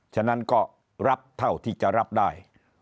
ฉะนั้นก็รับเท่าที่จะรับได้